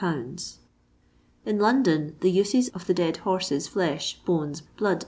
In London the uses of the dead horse's flesh, bones, blood, &c.